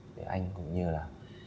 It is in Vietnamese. với anh cũng như là